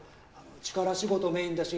力仕事メインだし